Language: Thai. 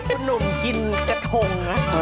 คุณหนุ่มกินกระทงนะ